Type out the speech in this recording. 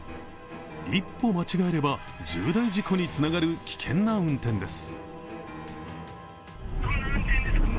一歩間違えれば重大事故につながる危険な運転です。